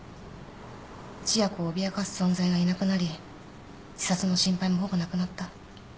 千夜子を脅かす存在がいなくなり自殺の心配もほぼなくなった。